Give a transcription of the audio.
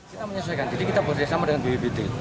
kita menyelesaikan jadi kita berhubungan dengan bwbd